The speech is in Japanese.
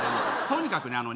とにかくね